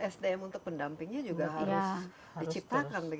sdm untuk pendampingnya juga harus diciptakan